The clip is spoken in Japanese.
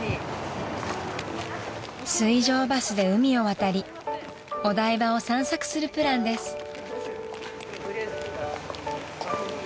［水上バスで海を渡りお台場を散策するプランです］